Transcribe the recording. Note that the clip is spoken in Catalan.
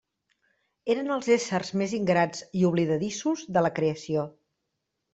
Eren els éssers més ingrats i oblidadissos de la creació.